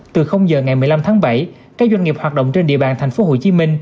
từ giờ ngày một mươi năm tháng bảy các doanh nghiệp hoạt động trên địa bàn tp hcm